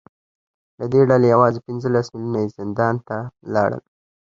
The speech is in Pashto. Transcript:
له دې ډلې یوازې پنځلس میلیونه یې زندان ته لاړل